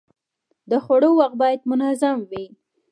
د خوړو وخت باید منظم وي.